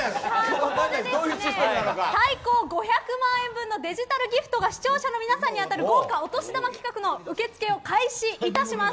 ここで最高５００万円分のデジタルギフトが視聴者の皆さんに当たる豪華お年玉企画の受け付けを開始いたします。